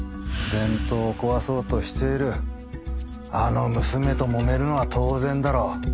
伝統を壊そうとしているあの娘ともめるのは当然だろ。